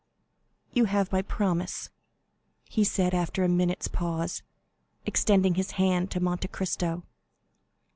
"You have my promise," he said, after a minute's pause, extending his hand to Monte Cristo.